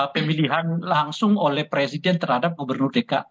pemilihan langsung oleh presiden terhadap gubernur dki